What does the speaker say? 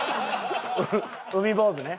海坊主ね。